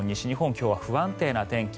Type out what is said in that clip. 今日は不安定な天気。